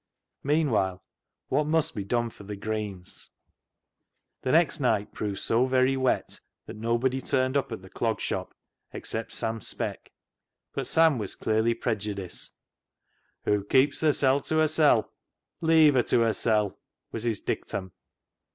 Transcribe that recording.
Meanwhile, what must be done for the Greens ? The next night proved so very wet that nobody turned up at the Clog Shop except A DIPLOMATIC REVERSE 227 Sam Speck. But Sam was clearly pre judiced. " Hoo keeps hersel' to hersel' ; leave her to hersel'," was his dictum.